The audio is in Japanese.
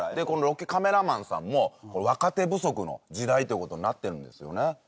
このロケカメラマンさんも若手不足の時代という事になってるんですよね。